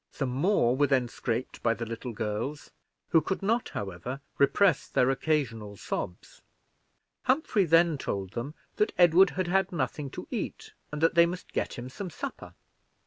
Some more were then scraped by the little girls, who could not, however, repress their occasional sobs. Humphrey then told them that Edward had had nothing to eat, and that they must get him some supper.